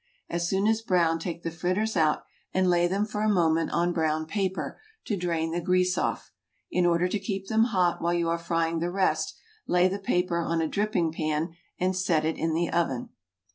As soon as brown take the fritters out and lay them for a moment on brown paper to drain the grease off. In order to keep them hot while you are frying the rest lay the paper on a dripping pan and set it in the oven.